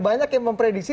banyak yang memprediksi